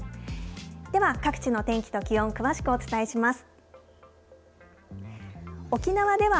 では各地の天気と気温、詳しくお伝えします。